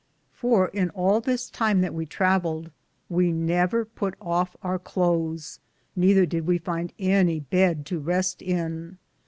For, in all this time that we traveled, we never put of our clothis, nether did we finde any beed to rest in.